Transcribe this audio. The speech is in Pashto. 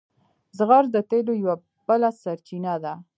زغر د تیلو یوه بله سرچینه ده.